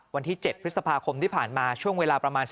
วันที่๗พฤษภาคมที่ผ่านมาช่วงเวลาประมาณ